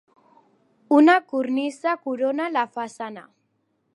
Una cornisa corona la façana.